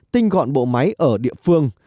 tinh gọn bộ máy ở địa phương